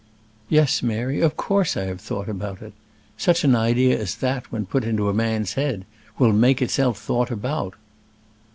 "Yes, Mary; of course I have thought about it. Such an idea as that, when put into a man's head, will make itself thought about."